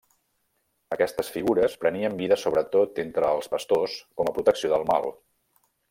Aquestes figures prenien vida sobretot entre els pastors com a protecció del mal.